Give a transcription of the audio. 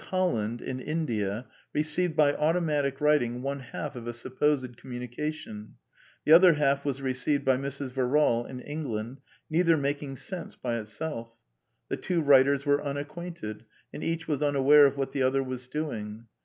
Holland in India received by automatic writing one half of a supposed communication ; the other half was received by Mrs. Verall in England, neither making sense by itself. The two writers were unacquainted, and each was unaware of what the other was doing.